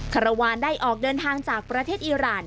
คารวาลได้ออกเดินทางจากประเทศอีราน